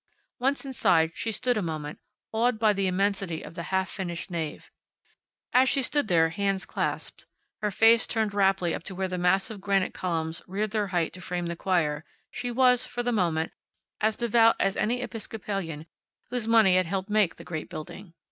Once inside she stood a moment, awed by the immensity of the half finished nave. As she stood there, hands clasped, her face turned raptly up to where the massive granite columns reared their height to frame the choir, she was, for the moment, as devout as any Episcopalian whose money had helped make the great building.